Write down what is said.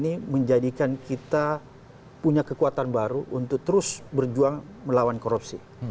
ini menjadikan kita punya kekuatan baru untuk terus berjuang melawan korupsi